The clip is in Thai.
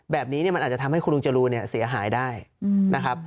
แบบนี้มันอาจจะทำให้คุณลุงจรูนเนี่ยเสียหายได้นะครับ